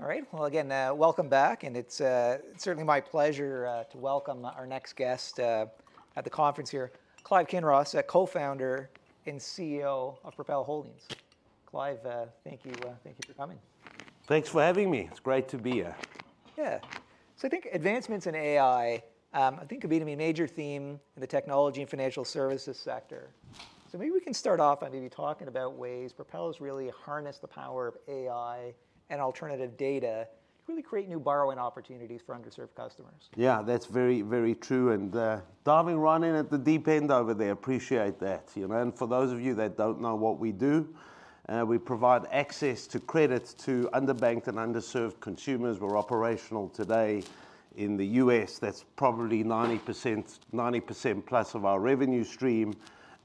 All right. Again, welcome back. It is certainly my pleasure to welcome our next guest at the conference here, Clive Kinross, Co-Founder and CEO of Propel Holdings. Clive, thank you for coming. Thanks for having me. It's great to be here. Yeah. I think advancements in AI, I think, could be the major theme in the technology and financial services sector. Maybe we can start off by maybe talking about ways Propel has really harnessed the power of AI and alternative data to really create new borrowing opportunities for underserved customers. Yeah, that's very, very true. Diving right in at the deep end over there, appreciate that. For those of you that don't know what we do, we provide access to credit to underbanked and underserved consumers. We're operational today in the U.S. That's probably 90% plus of our revenue stream,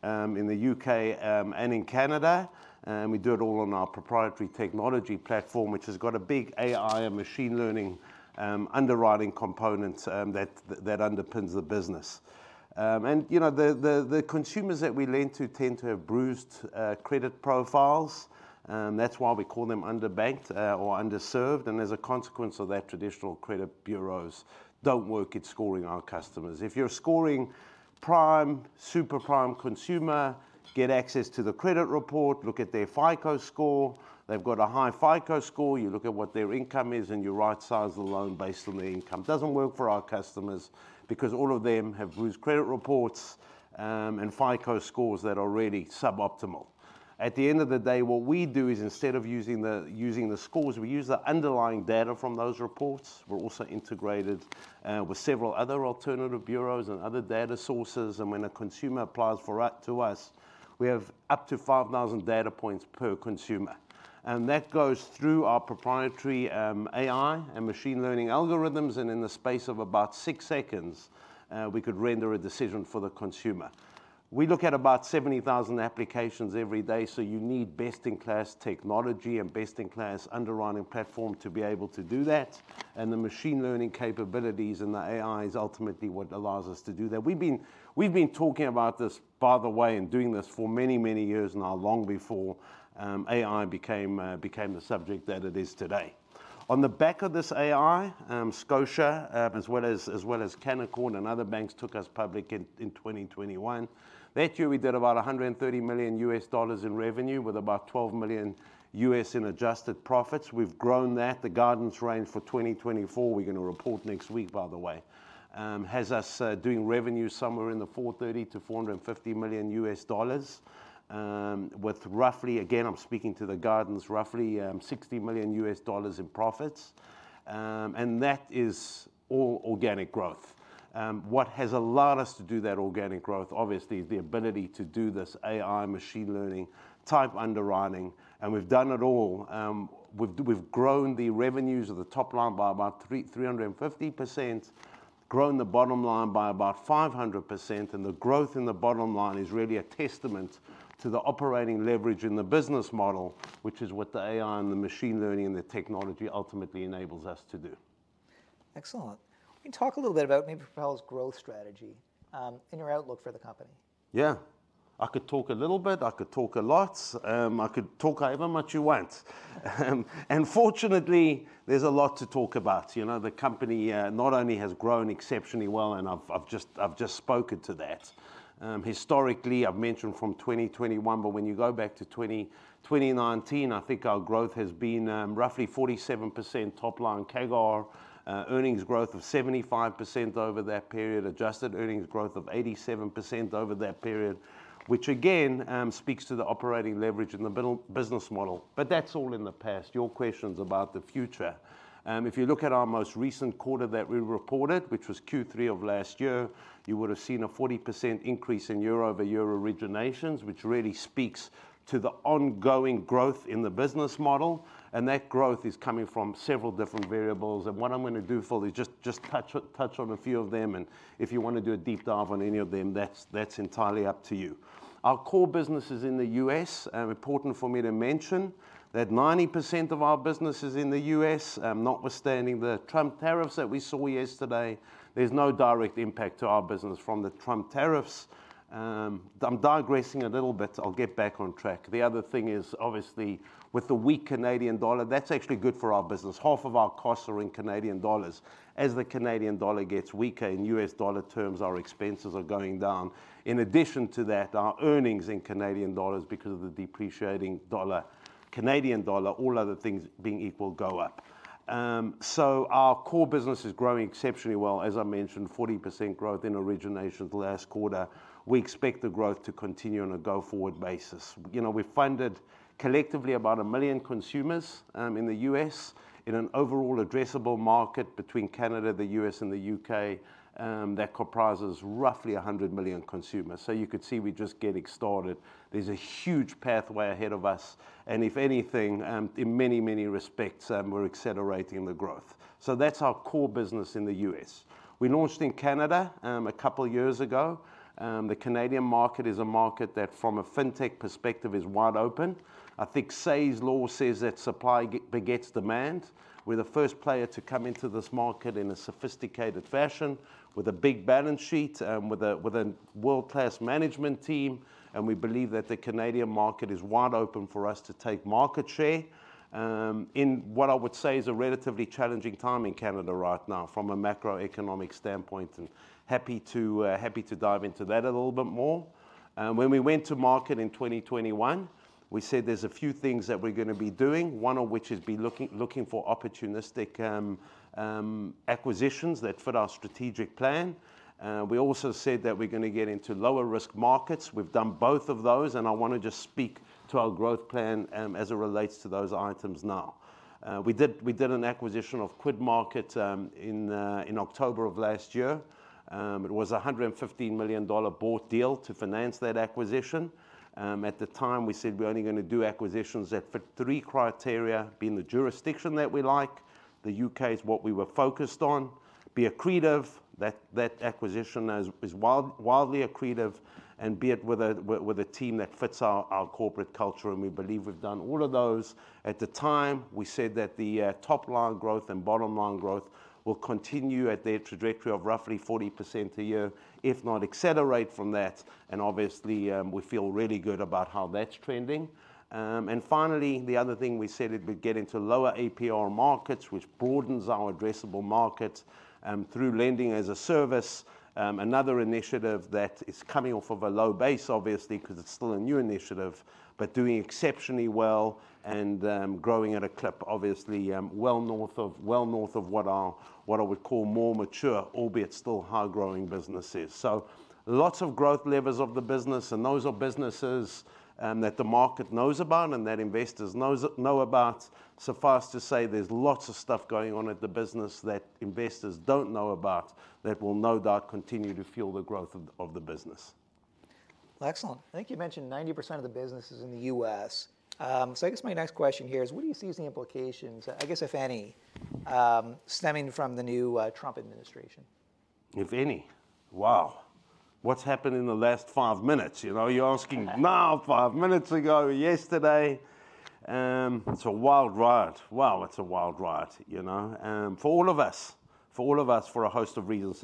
in the U.K., and in Canada. We do it all on our proprietary technology platform, which has got a big AI and machine learning underwriting component that underpins the business. The consumers that we lend to tend to have bruised credit profiles. That's why we call them underbanked or underserved. As a consequence of that, traditional credit bureaus don't work at scoring our customers. If you're scoring prime, super prime consumer, get access to the credit report, look at their FICO score. They've got a high FICO score. You look at what their income is and you right-size the loan based on their income. Doesn't work for our customers because all of them have bruised credit reports and FICO scores that are really suboptimal. At the end of the day, what we do is instead of using the scores, we use the underlying data from those reports. We're also integrated with several other alternative bureaus and other data sources. When a consumer applies for it to us, we have up to 5,000 data points per consumer. That goes through our proprietary AI and machine learning algorithms. In the space of about six seconds, we could render a decision for the consumer. We look at about 70,000 applications every day. You need best-in-class technology and best-in-class underwriting platform to be able to do that. The machine learning capabilities and the AI is ultimately what allows us to do that. We've been talking about this, by the way, and doing this for many, many years now, long before AI became the subject that it is today. On the back of this AI, Scotiabank, as well as Canaccord Genuity and other banks, took us public in 2021. That year, we did about $130 million in revenue with about $12 million in adjusted profits. We've grown that. The guidance range for 2024, we're going to report next week, by the way, has us doing revenue somewhere in the $430-$450 million with roughly, again, I'm speaking to the guidance, roughly $60 million in profits. That is all organic growth. What has allowed us to do that organic growth, obviously, is the ability to do this AI machine learning type underwriting. We've done it all. We've grown the revenues of the top line by about 350%, grown the bottom line by about 500%. The growth in the bottom line is really a testament to the operating leverage in the business model, which is what the AI and the machine learning and the technology ultimately enables us to do. Excellent. We can talk a little bit about maybe Propel's growth strategy and your outlook for the company. Yeah. I could talk a little bit. I could talk a lot. I could talk however much you want. Fortunately, there's a lot to talk about. The company not only has grown exceptionally well, and I've just spoken to that. Historically, I've mentioned from 2021. When you go back to 2019, I think our growth has been roughly 47% top line CAGR, earnings growth of 75% over that period, adjusted earnings growth of 87% over that period, which again speaks to the operating leverage in the business model. That's all in the past. Your questions about the future. If you look at our most recent quarter that we reported, which was Q3 of last year, you would have seen a 40% increase in year-over-year originations, which really speaks to the ongoing growth in the business model. That growth is coming from several different variables. What I'm going to do, Phil, is just touch on a few of them. If you want to do a deep dive on any of them, that's entirely up to you. Our core business is in the U.S., important for me to mention that 90% of our business is in the U.S. Notwithstanding the Trump tariffs that we saw yesterday, there's no direct impact to our business from the Trump tariffs. I'm digressing a little bit. I'll get back on track. The other thing is, obviously, with the weak Canadian dollar, that's actually good for our business. Half of our costs are in Canadian dollars. As the Canadian dollar gets weaker in U.S. dollar terms, our expenses are going down. In addition to that, our earnings in Canadian dollars, because of the depreciating Canadian dollar, all other things being equal, go up. Our core business is growing exceptionally well. As I mentioned, 40% growth in originations last quarter. We expect the growth to continue on a go-forward basis. We've funded collectively about one million consumers in the US in an overall addressable market between Canada, the US, and the UK that comprises roughly 100 million consumers. You could see we're just getting started. There's a huge pathway ahead of us. If anything, in many, many respects, we're accelerating the growth. That's our core business in the US. We launched in Canada a couple of years ago. The Canadian market is a market that, from a fintech perspective, is wide open. I think Say's law says that supply begets demand. We're the first player to come into this market in a sophisticated fashion, with a big balance sheet, with a world-class management team. We believe that the Canadian market is wide open for us to take market share in what I would say is a relatively challenging time in Canada right now from a macroeconomic standpoint. I am happy to dive into that a little bit more. When we went to market in 2021, we said there are a few things that we are going to be doing, one of which is looking for opportunistic acquisitions that fit our strategic plan. We also said that we are going to get into lower-risk markets. We have done both of those. I want to just speak to our growth plan as it relates to those items now. We did an acquisition of QuidMarket in October of last year. It was a $115 million board deal to finance that acquisition. At the time, we said we're only going to do acquisitions that fit three criteria, being the jurisdiction that we like, the U.K. is what we were focused on, be accretive. That acquisition is wildly accretive. And be it with a team that fits our corporate culture. We believe we've done all of those. At the time, we said that the top line growth and bottom line growth will continue at their trajectory of roughly 40% a year, if not accelerate from that. Obviously, we feel really good about how that's trending. Finally, the other thing we said is we'd get into lower APR markets, which broadens our addressable markets through lending as a service. Another initiative that is coming off of a low base, obviously, because it's still a new initiative, but doing exceptionally well and growing at a clip, obviously, well north of what I would call more mature, albeit still high-growing businesses. Lots of growth levers of the business. Those are businesses that the market knows about and that investors know about. Suffice to say, there's lots of stuff going on at the business that investors do not know about that will no doubt continue to fuel the growth of the business. Excellent. I think you mentioned 90% of the business is in the U.S. I guess my next question here is, what do you see as the implications, I guess if any, stemming from the new Trump administration? If any, wow. What's happened in the last five minutes? You're asking now, five minutes ago, yesterday. It's a wild riot. Wow, it's a wild riot. For all of us, for all of us, for a host of reasons.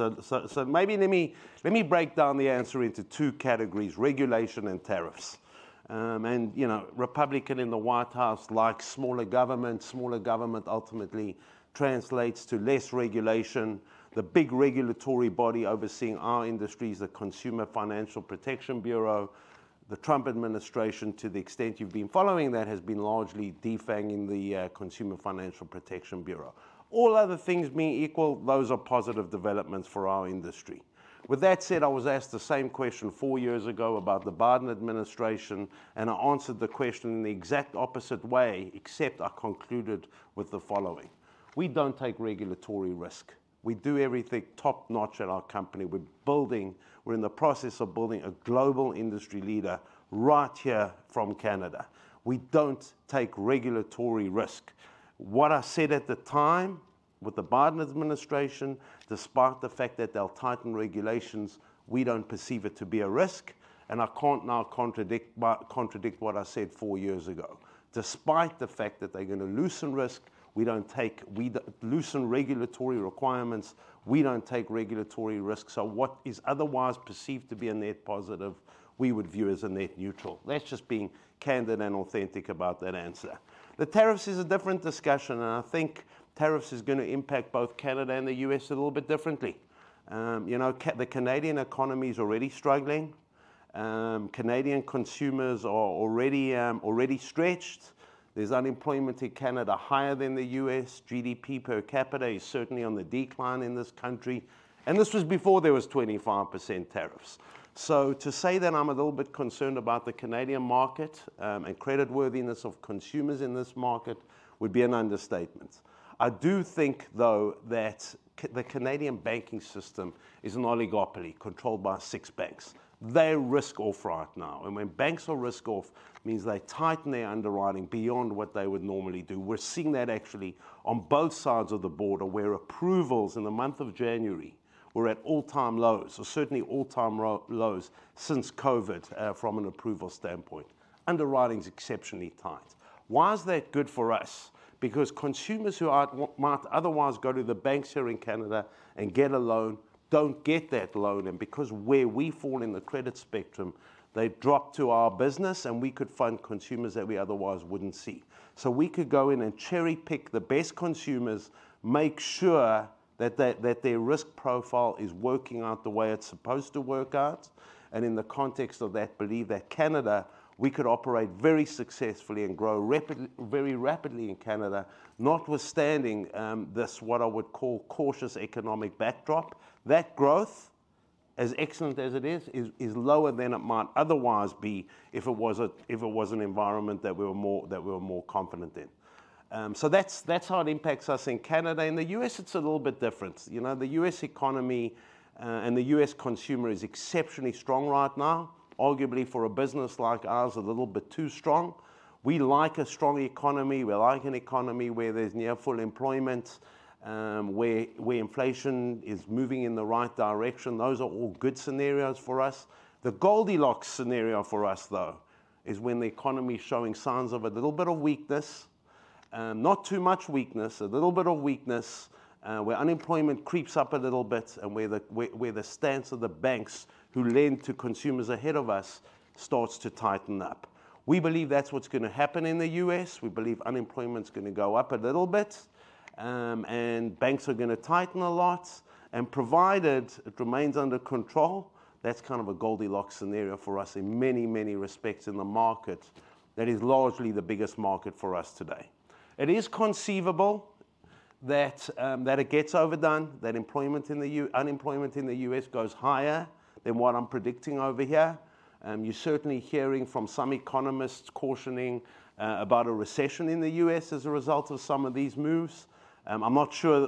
Maybe let me break down the answer into two categories: regulation and tariffs. A Republican in the White House likes smaller government. Smaller government ultimately translates to less regulation. The big regulatory body overseeing our industry is the Consumer Financial Protection Bureau. The Trump administration, to the extent you've been following that, has been largely defanging the Consumer Financial Protection Bureau. All other things being equal, those are positive developments for our industry. With that said, I was asked the same question four years ago about the Biden administration. I answered the question in the exact opposite way, except I concluded with the following: we don't take regulatory risk. We do everything top-notch at our company. We're in the process of building a global industry leader right here from Canada. We don't take regulatory risk. What I said at the time with the Biden administration, despite the fact that they'll tighten regulations, we don't perceive it to be a risk. I can't now contradict what I said four years ago. Despite the fact that they're going to loosen risk, we don't take loosen regulatory requirements. We don't take regulatory risk. What is otherwise perceived to be a net positive, we would view as a net neutral. That's just being candid and authentic about that answer. The tariffs is a different discussion. I think tariffs is going to impact both Canada and the U.S. a little bit differently. The Canadian economy is already struggling. Canadian consumers are already stretched. There's unemployment in Canada higher than the U.S. GDP per capita is certainly on the decline in this country. This was before there was 25% tariffs. To say that I'm a little bit concerned about the Canadian market and creditworthiness of consumers in this market would be an understatement. I do think, though, that the Canadian banking system is an oligopoly controlled by six banks. They're risk-off right now. When banks are risk-off it means they tighten their underwriting beyond what they would normally do. We're seeing that actually on both sides of the border, where approvals in the month of January were at all-time lows, or certainly all-time lows since COVID from an approval standpoint. Underwriting's exceptionally tight. Why is that good for us? Because consumers who might otherwise go to the banks here in Canada and get a loan don't get that loan. Because where we fall in the credit spectrum, they drop to our business. We could fund consumers that we otherwise would not see. We could go in and cherry-pick the best consumers, make sure that their risk profile is working out the way it is supposed to work out. In the context of that, I believe that in Canada, we could operate very successfully and grow very rapidly in Canada, notwithstanding this, what I would call, cautious economic backdrop. That growth, as excellent as it is, is lower than it might otherwise be if it was an environment that we were more confident in. That is how it impacts us in Canada. In the U.S., it is a little bit different. The U.S. economy and the U.S. consumer is exceptionally strong right now, arguably for a business like ours, a little bit too strong. We like a strong economy. We like an economy where there's near full employment, where inflation is moving in the right direction. Those are all good scenarios for us. The Goldilocks scenario for us, though, is when the economy's showing signs of a little bit of weakness, not too much weakness, a little bit of weakness, where unemployment creeps up a little bit, and where the stance of the banks who lend to consumers ahead of us starts to tighten up. We believe that's what's going to happen in the U.S. We believe unemployment's going to go up a little bit. Banks are going to tighten a lot. Provided it remains under control, that's kind of a Goldilocks scenario for us in many, many respects in the market that is largely the biggest market for us today. It is conceivable that it gets overdone, that unemployment in the U.S. goes higher than what I'm predicting over here. You're certainly hearing from some economists cautioning about a recession in the U.S. as a result of some of these moves. I'm not sure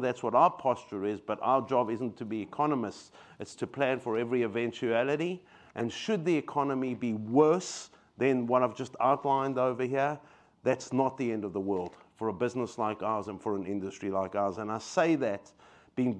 that's what our posture is. Our job isn't to be economists. It's to plan for every eventuality. Should the economy be worse than what I've just outlined over here, that's not the end of the world for a business like ours and for an industry like ours. I say that being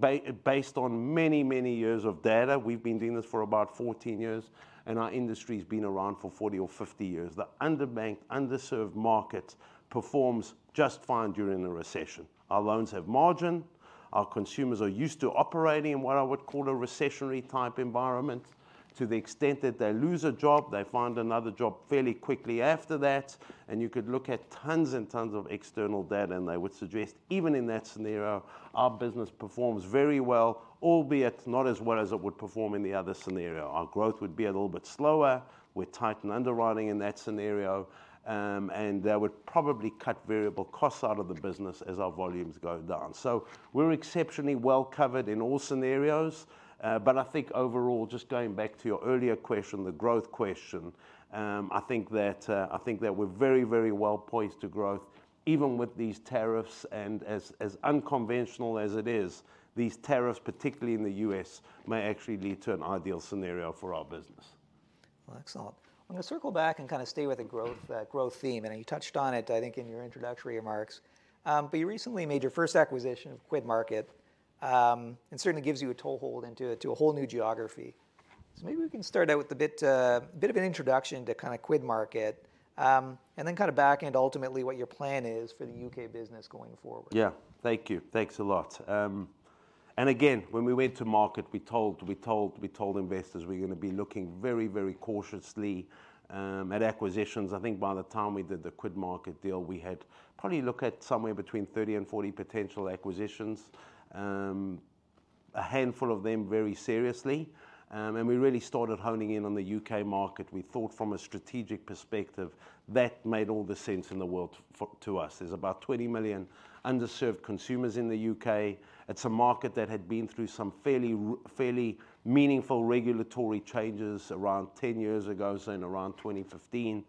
based on many, many years of data. We've been doing this for about 14 years. Our industry's been around for 40 or 50 years. The underbanked, underserved market performs just fine during a recession. Our loans have margin. Our consumers are used to operating in what I would call a recessionary type environment. To the extent that they lose a job, they find another job fairly quickly after that. You could look at tons and tons of external data, and they would suggest, even in that scenario, our business performs very well, albeit not as well as it would perform in the other scenario. Our growth would be a little bit slower. We would tighten underwriting in that scenario, and that would probably cut variable costs out of the business as our volumes go down. We are exceptionally well covered in all scenarios. I think overall, just going back to your earlier question, the growth question, I think that we are very, very well poised to growth, even with these tariffs. As unconventional as it is, these tariffs, particularly in the U.S., may actually lead to an ideal scenario for our business. I'm going to circle back and kind of stay with the growth theme. You touched on it, I think, in your introductory remarks. You recently made your first acquisition of QuidMarket. It certainly gives you a toehold into a whole new geography. Maybe we can start out with a bit of an introduction to kind of QuidMarket and then kind of back into ultimately what your plan is for the U.K. business going forward. Yeah. Thank you. Thanks a lot. Again, when we went to market, we told investors we're going to be looking very, very cautiously at acquisitions. I think by the time we did the QuidMarket deal, we had probably looked at somewhere between 30 and 40 potential acquisitions, a handful of them very seriously. We really started honing in on the U.K. market. We thought from a strategic perspective that made all the sense in the world to us. There are about 20 million underserved consumers in the U.K. It's a market that had been through some fairly meaningful regulatory changes around 10 years ago, say around 2015.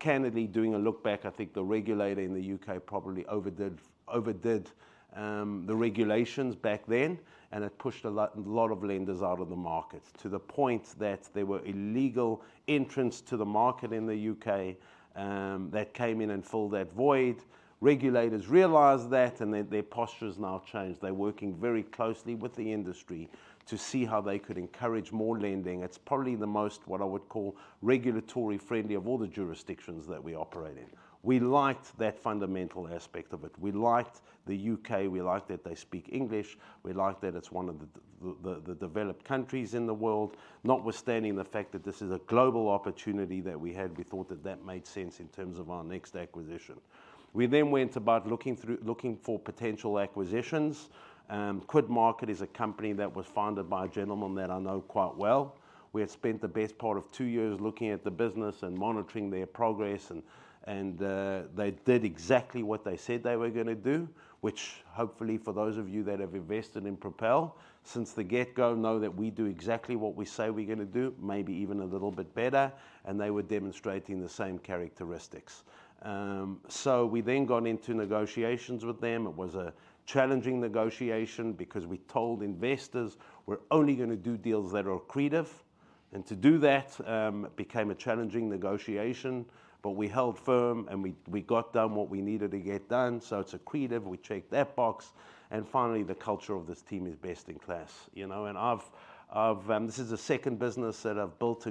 Candidly, doing a look back, I think the regulator in the U.K. probably overdid the regulations back then. It pushed a lot of lenders out of the market to the point that there were illegal entrants to the market in the U.K. that came in and filled that void. Regulators realized that. Their posture's now changed. They're working very closely with the industry to see how they could encourage more lending. It's probably the most, what I would call, regulatory-friendly of all the jurisdictions that we operate in. We liked that fundamental aspect of it. We liked the U.K. We liked that they speak English. We liked that it's one of the developed countries in the world, notwithstanding the fact that this is a global opportunity that we had. We thought that that made sense in terms of our next acquisition. We then went about looking for potential acquisitions. QuidMarketis a company that was founded by a gentleman that I know quite well. We had spent the best part of two years looking at the business and monitoring their progress. They did exactly what they said they were going to do, which hopefully for those of you that have invested in Propel since the get-go know that we do exactly what we say we're going to do, maybe even a little bit better. They were demonstrating the same characteristics. We then got into negotiations with them. It was a challenging negotiation because we told investors we're only going to do deals that are accretive. To do that became a challenging negotiation. We held firm. We got done what we needed to get done. It is accretive. We checked that box. Finally, the culture of this team is best in class. This is a second business that I've built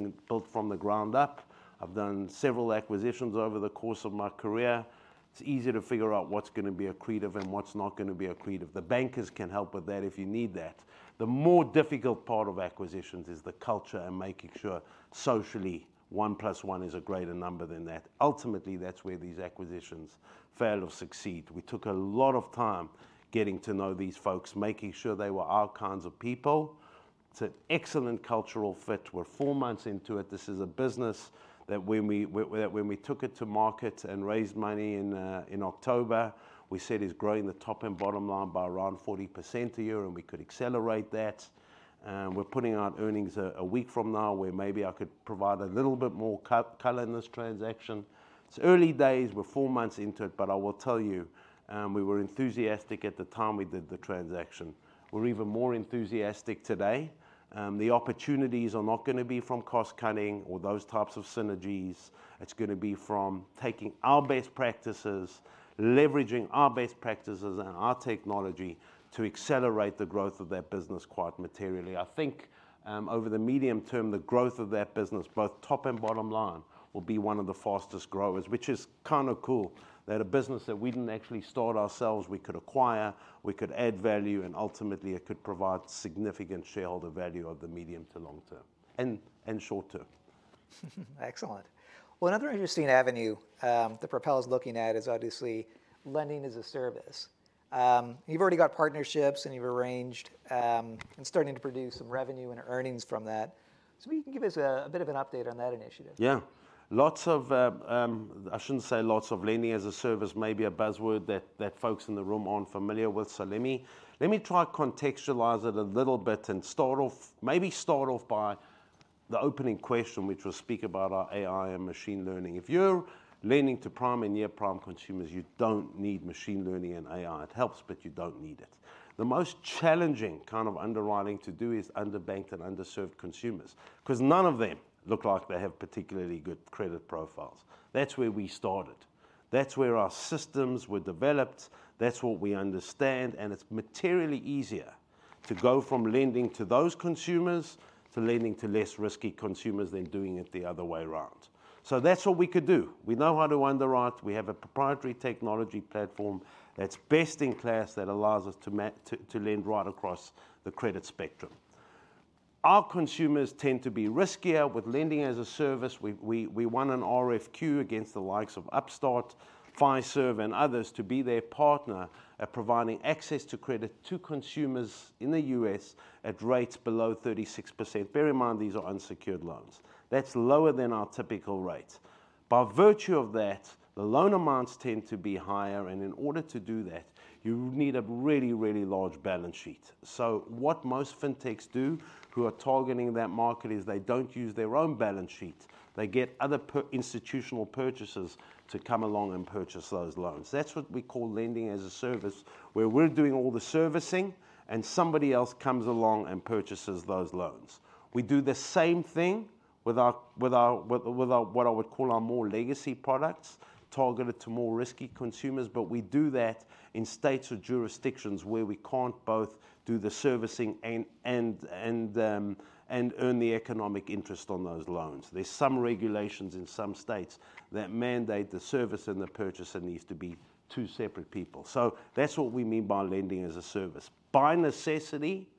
from the ground up. I've done several acquisitions over the course of my career. It's easy to figure out what's going to be accretive and what's not going to be accretive. The bankers can help with that if you need that. The more difficult part of acquisitions is the culture and making sure socially one plus one is a greater number than that. Ultimately, that's where these acquisitions fail or succeed. We took a lot of time getting to know these folks, making sure they were our kinds of people. It's an excellent cultural fit. We're four months into it. This is a business that when we took it to market and raised money in October, we said it's growing the top and bottom line by around 40% a year. And we could accelerate that. We're putting out earnings a week from now where maybe I could provide a little bit more color in this transaction. It's early days. We're four months into it. I will tell you, we were enthusiastic at the time we did the transaction. We're even more enthusiastic today. The opportunities are not going to be from cost cutting or those types of synergies. It's going to be from taking our best practices, leveraging our best practices and our technology to accelerate the growth of that business quite materially. I think over the medium term, the growth of that business, both top and bottom line, will be one of the fastest growers, which is kind of cool that a business that we didn't actually start ourselves, we could acquire, we could add value. Ultimately, it could provide significant shareholder value over the medium to long term and short term. Excellent. Another interesting avenue that Propel's looking at is obviously lending as a service. You've already got partnerships. You've arranged and starting to produce some revenue and earnings from that. Maybe you can give us a bit of an update on that initiative. Yeah. I shouldn't say lots of lending-as-a-service may be a buzzword that folks in the room aren't familiar with. Let me try to contextualize it a little bit and maybe start off by the opening question, which was speak about our AI and machine learning. If you're lending to prime and near prime consumers, you don't need machine learning and AI. It helps, but you don't need it. The most challenging kind of underwriting to do is underbanked and underserved consumers because none of them look like they have particularly good credit profiles. That's where we started. That's where our systems were developed. That's what we understand. It is materially easier to go from lending to those consumers to lending to less risky consumers than doing it the other way around. That's what we could do. We know how to underwrite. We have a proprietary technology platform that's best in class that allows us to lend right across the credit spectrum. Our consumers tend to be riskier with lending as a service. We won an RFQ against the likes of Upstart, Fiserv, and others to be their partner at providing access to credit to consumers in the U.S. at rates below 36%. Bear in mind, these are unsecured loans. That's lower than our typical rate. By virtue of that, the loan amounts tend to be higher. In order to do that, you need a really, really large balance sheet. What most fintechs do who are targeting that market is they don't use their own balance sheet. They get other institutional purchasers to come along and purchase those loans. That's what we call lending as a service, where we're doing all the servicing. Somebody else comes along and purchases those loans. We do the same thing with what I would call our more legacy products targeted to more risky consumers. We do that in states or jurisdictions where we cannot both do the servicing and earn the economic interest on those loans. There are some regulations in some states that mandate the service and the purchase. It needs to be two separate people. That is what we mean by lending as a service. By necessity,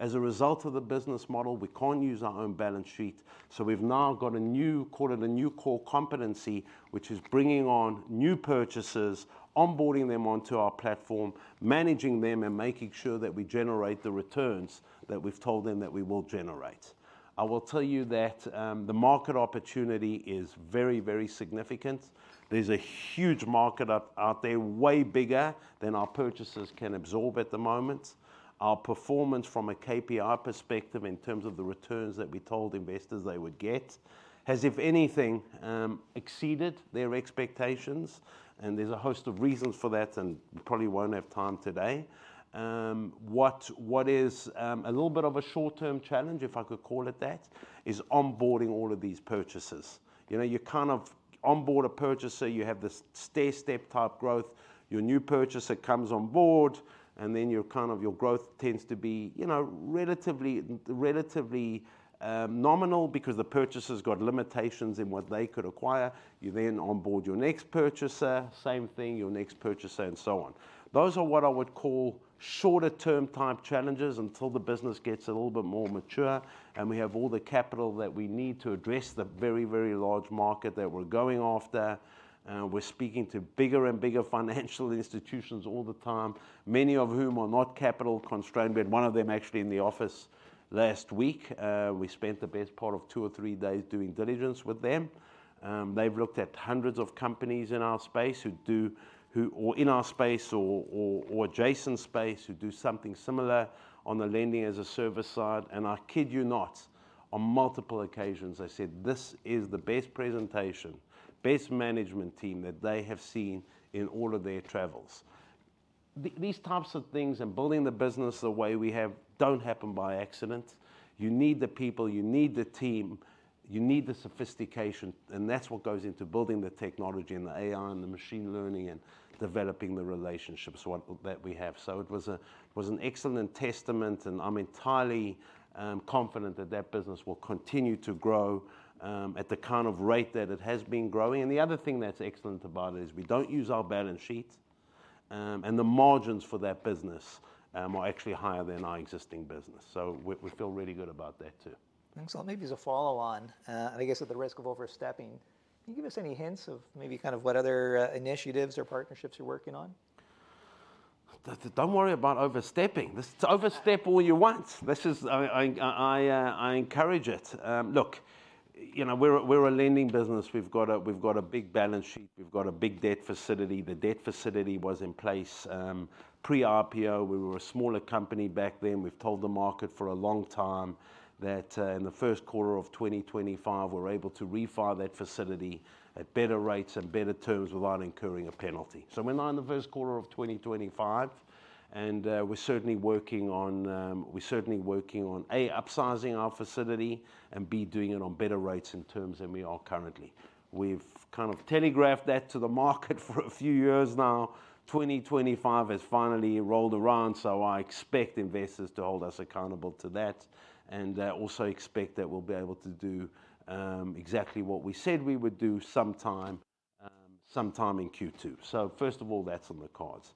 as a result of the business model, we cannot use our own balance sheet. We have now got a new, call it a new core competency, which is bringing on new purchasers, onboarding them onto our platform, managing them, and making sure that we generate the returns that we have told them that we will generate. I will tell you that the market opportunity is very, very significant. There's a huge market out there, way bigger than our purchasers can absorb at the moment. Our performance from a KPI perspective in terms of the returns that we told investors they would get has, if anything, exceeded their expectations. There's a host of reasons for that. We probably won't have time today. What is a little bit of a short-term challenge, if I could call it that, is onboarding all of these purchasers. You kind of onboard a purchaser. You have this stair-step type growth. Your new purchaser comes on board. Your growth tends to be relatively nominal because the purchaser's got limitations in what they could acquire. You then onboard your next purchaser, same thing, your next purchaser, and so on. Those are what I would call shorter-term type challenges until the business gets a little bit more mature. We have all the capital that we need to address the very, very large market that we're going after. We're speaking to bigger and bigger financial institutions all the time, many of whom are not capital constrained. We had one of them actually in the office last week. We spent the best part of two or three days doing diligence with them. They've looked at hundreds of companies in our space or adjacent space who do something similar on the lending-as-a-service side. I kid you not, on multiple occasions, I said this is the best presentation, best management team that they have seen in all of their travels. These types of things and building the business the way we have do not happen by accident. You need the people. You need the team. You need the sophistication. That's what goes into building the technology and the AI and the machine learning and developing the relationships that we have. It was an excellent testament. I'm entirely confident that that business will continue to grow at the kind of rate that it has been growing. The other thing that's excellent about it is we don't use our balance sheet. The margins for that business are actually higher than our existing business. We feel really good about that too. Excellent. Maybe as a follow-on, and I guess at the risk of overstepping, can you give us any hints of maybe kind of what other initiatives or partnerships you're working on? Don't worry about overstepping. Just overstep all you want. I encourage it. Look, we're a lending business. We've got a big balance sheet. We've got a big debt facility. The debt facility was in place pre-RPO. We were a smaller company back then. We've told the market for a long time that in the first quarter of 2025, we're able to refile that facility at better rates and better terms without incurring a penalty. We are now in the first quarter of 2025. We are certainly working on, A, upsizing our facility and, B, doing it on better rates and terms than we are currently. We've kind of telegraphed that to the market for a few years now. 2025 has finally rolled around. I expect investors to hold us accountable to that and also expect that we'll be able to do exactly what we said we would do sometime in Q2. First of all, that's on the cards.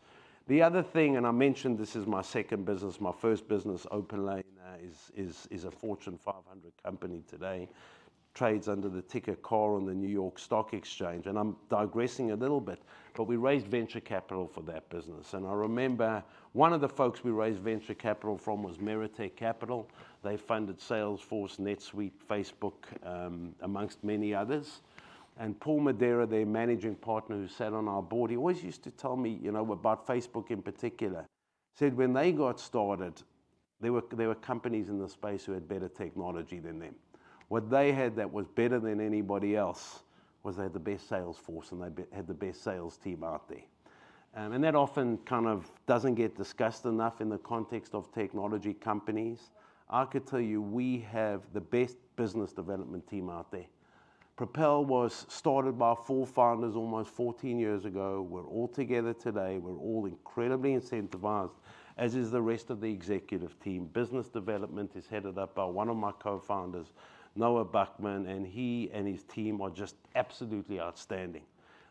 The other thing, and I mentioned this is my second business, my first business, OPENLANE is a Fortune 500 company today. Trades under the ticker CAR on the New York Stock Exchange. I'm digressing a little bit. We raised venture capital for that business. I remember one of the folks we raised venture capital from was`. They funded Salesforce, NetSuite, Facebook, amongst many others. Paul Madeira, their managing partner who sat on our board, always used to tell me about Facebook in particular, said when they got started, there were companies in the space who had better technology than them. What they had that was better than anybody else was they had the best sales force and they had the best sales team out there. That often kind of does not get discussed enough in the context of technology companies. I could tell you we have the best business development team out there. Propel was started by four founders almost 14 years ago. We are all together today. We are all incredibly incentivized, as is the rest of the executive team. Business development is headed up by one of my co-founders, Noah Buchman. He and his team are just absolutely outstanding.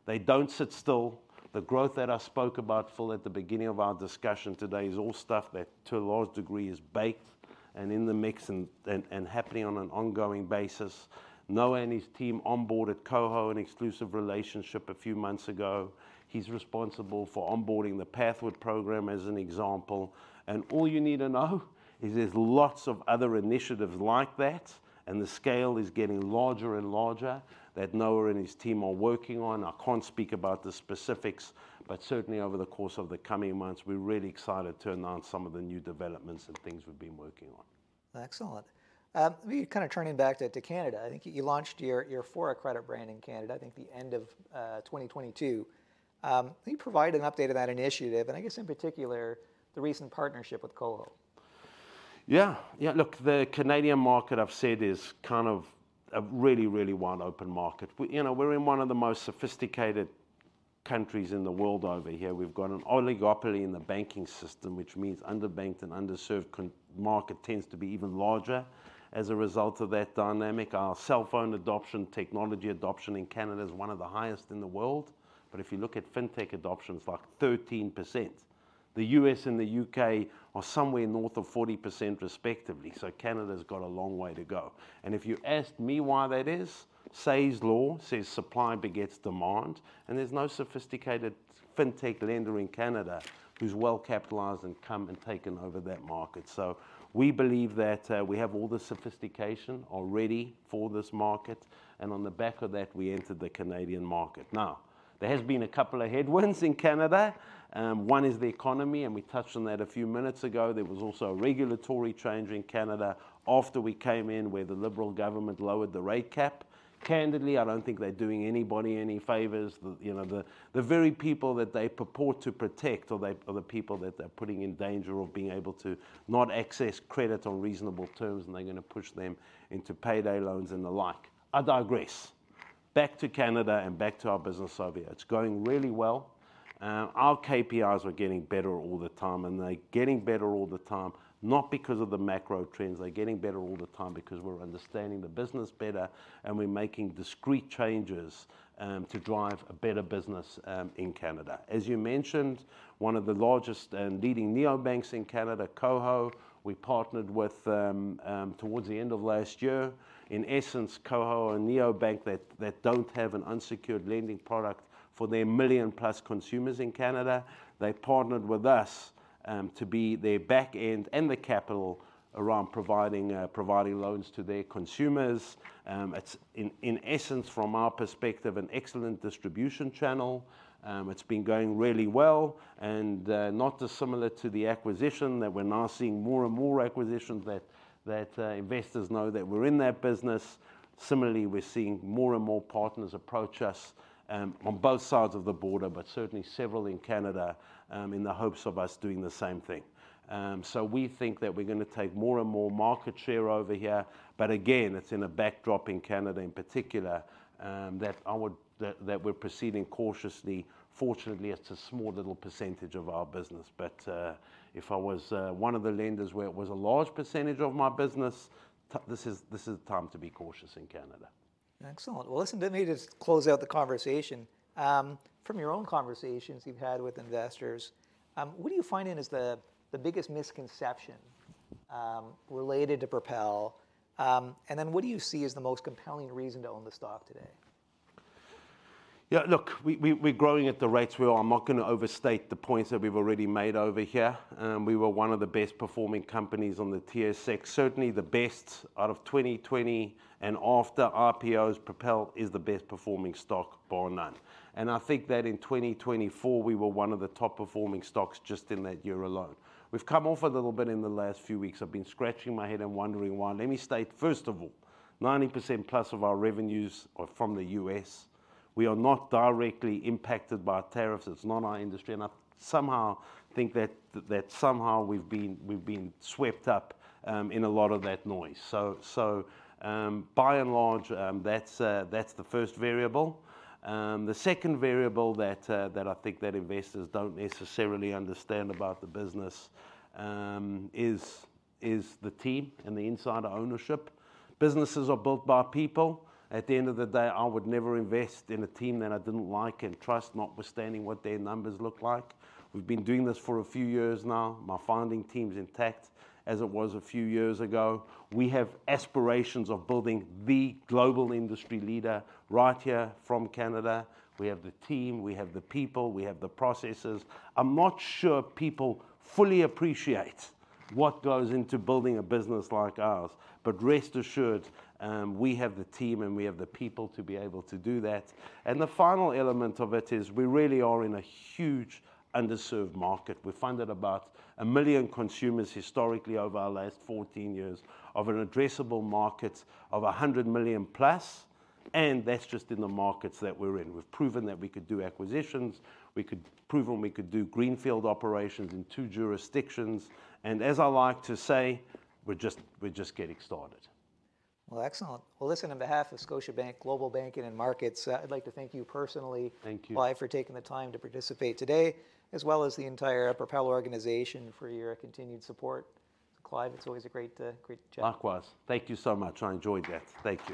They do not sit still. The growth that I spoke about, Phil, at the beginning of our discussion today is all stuff that to a large degree is baked and in the mix and happening on an ongoing basis. Noah and his team onboarded Coho in exclusive relationship a few months ago. He is responsible for onboarding the Pathward program as an example. All you need to know is there are lots of other initiatives like that. The scale is getting larger and larger that Noah and his team are working on. I cannot speak about the specifics. Certainly over the course of the coming months, we are really excited to announce some of the new developments and things we have been working on. Excellent. Maybe kind of turning back to Canada. I think you launched your Fora Credit brand in Canada, I think the end of 2022. Can you provide an update on that initiative? I guess in particular, the recent partnership with Coho. Yeah. Yeah. Look, the Canadian market, I've said, is kind of a really, really wide open market. We're in one of the most sophisticated countries in the world over here. We've got an oligopoly in the banking system, which means underbanked and underserved market tends to be even larger as a result of that dynamic. Our cell phone adoption, technology adoption in Canada is one of the highest in the world. If you look at fintech adoption, it's like 13%. The U.S. and the U.K. are somewhere north of 40% respectively. Canada's got a long way to go. If you ask me why that is, Say's law says supply begets demand. There's no sophisticated fintech lender in Canada who's well capitalized and come and taken over that market. We believe that we have all the sophistication already for this market. On the back of that, we entered the Canadian market. There have been a couple of headwinds in Canada. One is the economy. We touched on that a few minutes ago. There was also a regulatory change in Canada after we came in where the Liberal government lowered the rate cap. Candidly, I do not think they are doing anybody any favors. The very people that they purport to protect are the people that they are putting in danger of being able to not access credit on reasonable terms. They are going to push them into payday loans and the like. I digress. Back to Canada and back to our business idea. It is going really well. Our KPIs are getting better all the time. They are getting better all the time, not because of the macro trends. They are getting better all the time because we are understanding the business better. We're making discrete changes to drive a better business in Canada. As you mentioned, one of the largest and leading neobanks in Canada, Coho. We partnered with them towards the end of last year. In essence, Coho are a neobank that do not have an unsecured lending product for their million-plus consumers in Canada. They partnered with us to be their back end and the capital around providing loans to their consumers. It is, in essence, from our perspective, an excellent distribution channel. It has been going really well. Not dissimilar to the acquisition that we are now seeing, more and more acquisitions, that investors know that we are in that business. Similarly, we are seeing more and more partners approach us on both sides of the border, but certainly several in Canada in the hopes of us doing the same thing. We think that we're going to take more and more market share over here. Again, it's in a backdrop in Canada in particular that we're proceeding cautiously. Fortunately, it's a small little percentage of our business. If I was one of the lenders where it was a large percentage of my business, this is the time to be cautious in Canada. Excellent. Listen, maybe to close out the conversation, from your own conversations you've had with investors, what do you find as the biggest misconception related to Propel? What do you see as the most compelling reason to own the stock today? Yeah. Look, we're growing at the rates we are. I'm not going to overstate the points that we've already made over here. We were one of the best-performing companies on the tier six. Certainly the best out of 2020 and after RPOs, Propel is the best-performing stock by none. I think that in 2024, we were one of the top-performing stocks just in that year alone. We've come off a little bit in the last few weeks. I've been scratching my head and wondering why. Let me state, first of all, 90% plus of our revenues are from the U.S. We are not directly impacted by tariffs. It's not our industry. I somehow think that somehow we've been swept up in a lot of that noise. By and large, that's the first variable. The second variable that I think that investors don't necessarily understand about the business is the team and the insider ownership. Businesses are built by people. At the end of the day, I would never invest in a team that I didn't like and trust notwithstanding what their numbers look like. We've been doing this for a few years now. My founding team's intact as it was a few years ago. We have aspirations of building the global industry leader right here from Canada. We have the team. We have the people. We have the processes. I'm not sure people fully appreciate what goes into building a business like ours. Rest assured, we have the team and we have the people to be able to do that. The final element of it is we really are in a huge underserved market. We funded about a million consumers historically over our last 14 years of an addressable market of 100 million plus. That is just in the markets that we are in. We have proven that we could do acquisitions. We have proven we could do greenfield operations in two jurisdictions. As I like to say, we are just getting started. Excellent. Listen, on behalf of Scotiabank Global Banking and Markets, I'd like to thank you personally, Clive, for taking the time to participate today, as well as the entire Propel organization for your continued support. Clive, it's always a great chat. Likewise. Thank you so much. I enjoyed that. Thank you.